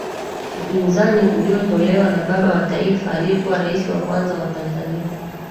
Upinzani uliotolewa na baba wa taifa aliyekuwa Rais wa Kwanza wa Tanzania